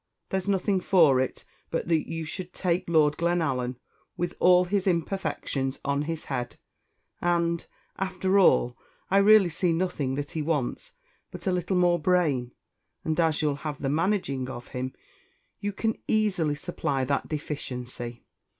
There's nothing for it but that you should take Lord Glenallan, with all his imperfections on his head; and, after all, I really see nothing that he wants but a little more brain, and as you'll have the managing of him you can easily supply that deficiency."